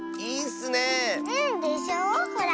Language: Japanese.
うんでしょほら。